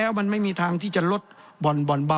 แสดงว่าความทุกข์มันไม่ได้ทุกข์เฉพาะชาวบ้านด้วยนะ